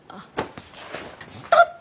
ストップ！